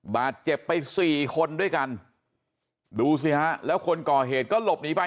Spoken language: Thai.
บาดเจ็บไปสี่คนด้วยกันดูสิฮะแล้วคนก่อเหตุก็หลบหนีไป